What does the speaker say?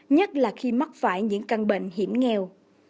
nhất là khi mắc phải những căn bệnh hiểm nghèo